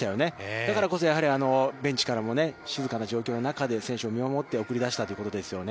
だからこそやはりベンチからも静かな状況の中で選手を見守って送り出したというところですよね。